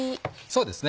そうですね。